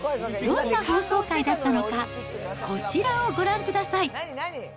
どんな放送回だったのか、こちらをご覧ください。